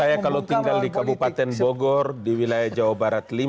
saya kalau tinggal di kabupaten bogor di wilayah jawa saya tidak bisa